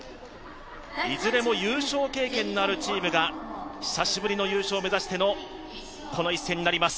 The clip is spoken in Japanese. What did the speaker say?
いずれも優勝経験のあるチームが久しぶりの優勝目指してのこの一戦になります。